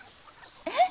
えっ？